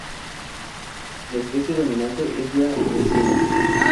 La especie dominante es la encina.